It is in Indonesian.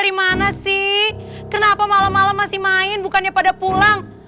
dari mana sih kenapa malam malam masih main bukannya pada pulang